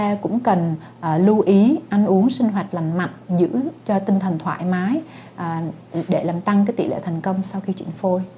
chúng ta cũng cần lưu ý ăn uống sinh hoạt lành mạnh giữ cho tinh thần thoải mái để làm tăng tỷ lệ thành công sau khi chuyển phôi